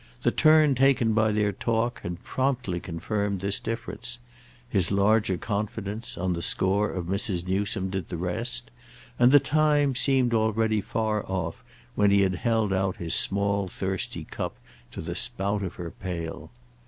The turn taken by their talk had promptly confirmed this difference; his larger confidence on the score of Mrs. Newsome did the rest; and the time seemed already far off when he had held out his small thirsty cup to the spout of her pail.